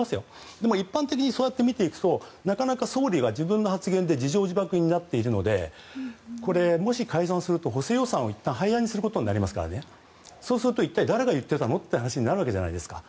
でも、一般的にそうやって見ていくとなかなか総理が自分の発言で自縄自縛になっているのでもし解散すると補正予算を、いったん廃案にすることになりますからそうすると、一体誰が言ってたのって話になるわけじゃないですか。